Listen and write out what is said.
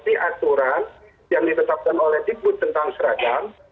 yang ditetapkan oleh dikbud tentang seragam